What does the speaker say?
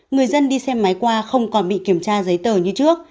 người dân đi xe máy qua không còn bị kiểm tra giấy tờ như trước